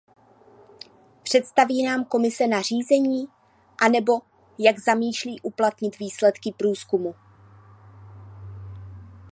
Představí nám Komise nařízení, anebo jak zamýšlí uplatnit výsledky průzkumu?